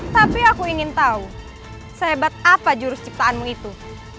tapi aku ingin tahu sehebat apa jurus ciptaanmu itu